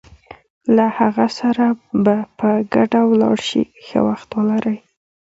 له هغه سره به په ګډه ولاړ شې، ښه وخت ولرئ.